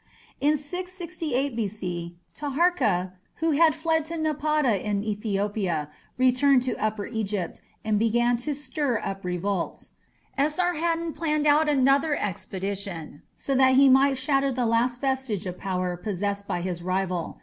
In 668 B.C. Taharka, who had fled to Napata in Ethiopia, returned to Upper Egypt, and began to stir up revolts. Esarhaddon planned out another expedition, so that he might shatter the last vestige of power possessed by his rival.